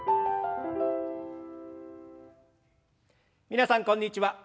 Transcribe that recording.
皆さんこんにちは。